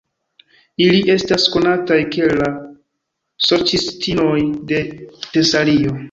Ili estas konataj kiel la Sorĉistinoj de Tesalio.